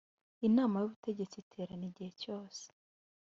inama y’ ubutegetsi iterana igihe cyose